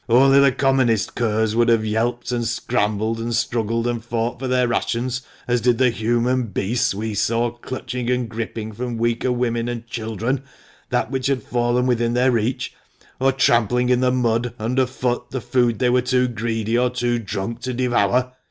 Only the commonest curs would have yelped, and scrambled, and struggled, and fought for their rations, as did the human beasts we saw clutching and gripping from weaker women and children that which had fallen within their reach, or trampling in the mud underfoot the food they were too greedy or too drunk to devour.